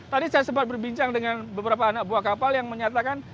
tadi saya sempat berbincang dengan beberapa anak buah kapal yang menyatakan